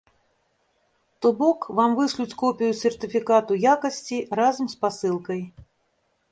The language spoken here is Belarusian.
То бок вам вышлюць копію сертыфікату якасці разам з пасылкай.